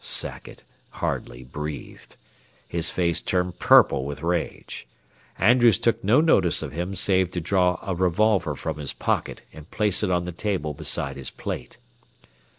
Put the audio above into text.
Sackett hardly breathed. His face turned purple with rage. Andrews took no notice of him save to draw a revolver from his pocket and place it on the table beside his plate.